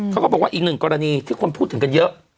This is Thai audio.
ก็บอกว่าอีกหนึ่งกรณีที่คนพูดถึงกันเยอะ